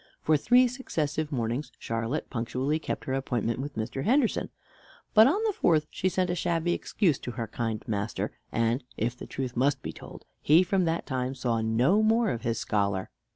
For three successive mornings Charlotte punctually kept her appointment with Mr. Henderson; but on the fourth she sent a shabby excuse to her kind master; and, if the truth must be told, he from that time saw no more of his scholar.